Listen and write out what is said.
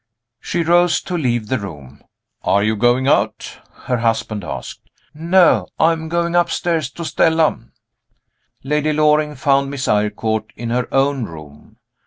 She rose to leave the room. "Are you going out?" her husband asked. "No. I am going upstairs to Stella." Lady Loring found Miss Eyrecourt in her own room.